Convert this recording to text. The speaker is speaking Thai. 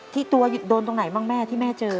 ที่ตัวโดนตรงไหนบ้างแม่ที่แม่เจอ